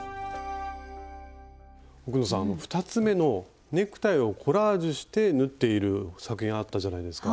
奥野さん２つ目のネクタイをコラージュして縫っている作品あったじゃないですか？